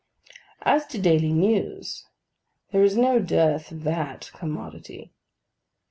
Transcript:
As to daily news, there is no dearth of that commodity.